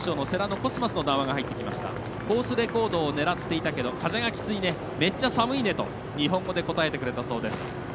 コースレコードを狙っていたけど風がきついね、めっちゃ寒いねと日本語で答えてくれたそうです。